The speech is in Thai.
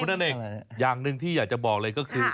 นั่นเองอย่างหนึ่งที่อยากจะบอกเลยก็คือ